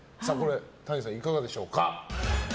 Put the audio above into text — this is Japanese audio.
Ｔａｎｉさん、いかがでしょうか。